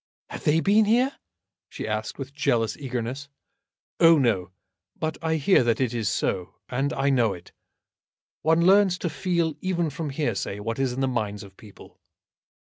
"Have they been here?" she asked, with jealous eagerness. "Oh, no. But I hear that it is so, and I know it. One learns to feel even from hearsay what is in the minds of people."